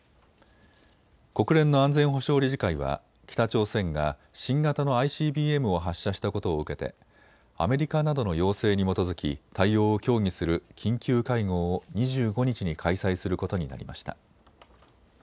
国連の安全保障理事会は北朝鮮が新型のＩＣＢＭを発射したことを受けてアメリカなどの要請に基づき対応を協議する緊急会合を２５日に開催することになりました。